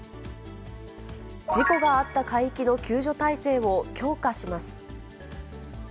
事故があった海域の救助体制を強化します。